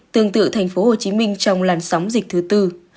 tương tự thành phố hồ chí minh trong làn sóng dịch thứ tư